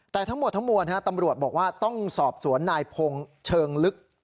แต่ทั้งหมดทั้งมวลตำรวจบอกว่าต้องสอบสวนนายพงศ์เชิงลึก